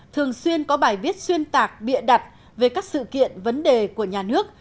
thường xuyên có bài viết xuyên tạc bịa đặt về các sự kiện vấn đề của nhà nước